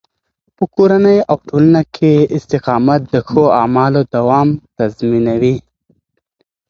په کورني او ټولنه کې استقامت د ښو اعمالو دوام تضمینوي.